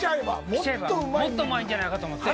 もっとうまいんじゃないかと思って。